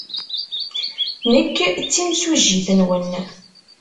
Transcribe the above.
Nekk d timsujjit-nwen.